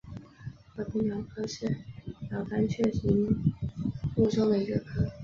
和平鸟科是鸟纲雀形目中的一个科。